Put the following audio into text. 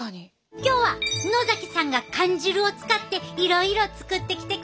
今日は野さんが缶汁を使っていろいろ作ってきてくれたで。